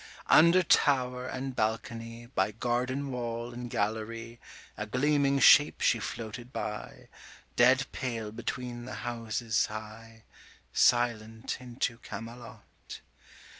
Under tower and balcony, By garden wall and gallery, 155 A gleaming shape she floated by, Dead pale between the houses high, Silent into Camelot.